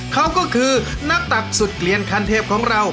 เขาก็คือนักตักสุดเกลียนคันเทพของเรา